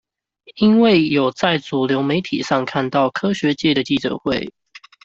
因為有在主流媒體上看到科學界的記者會